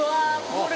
これ。